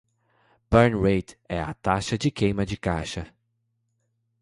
Burn Rate é a taxa de queima de caixa.